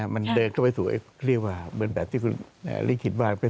มันเดินเข้าไปสู่เรียกว่าแบบที่คุณลิคคิดว่า